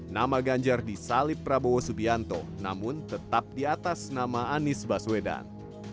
nama ganjar disalib prabowo subianto namun tetap di atas nama anies baswedan